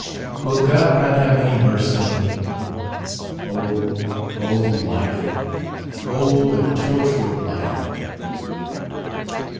Will God not have any mercy on me? Oh! Oh! life; oh, the torture of life!"